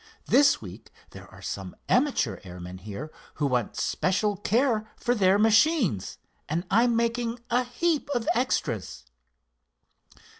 This week there are some amateur airmen here who want special care for their machines, and I'm making a heap of extras."